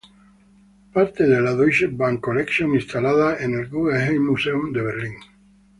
Parte de la Deutsche Bank Collection instalada en el Guggenheim Museum de Berlín.